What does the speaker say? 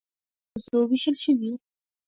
چې په دوو حوزو ویشل شوي: